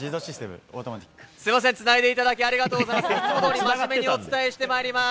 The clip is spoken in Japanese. すみません、つないでいただいてありがとうございます。